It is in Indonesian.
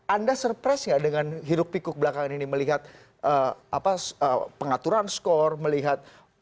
anda surprise nggak dengan hiruk pikuk belakangan ini melihat pengaturan skor melihat